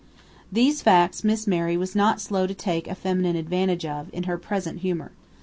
These facts Miss Mary was not slow to take a feminine advantage of, in her present humor.